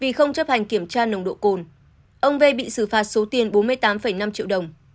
vì không chấp hành kiểm tra nồng độ cồn ông v bị xử phạt số tiền bốn mươi tám năm triệu đồng